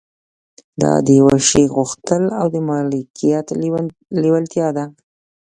دا د يوه شي غوښتل او د مالکيت لېوالتيا ده.